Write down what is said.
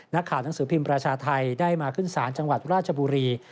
หนังสือพิมพ์ประชาไทยได้มาขึ้นศาลจังหวัดราชบุรี